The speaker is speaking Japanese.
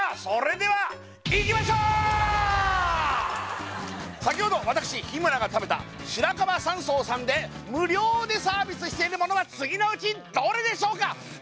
それではいきましょう先ほど私日村が食べた白樺山荘さんで無料でサービスしているものは次のうちどれでしょうか？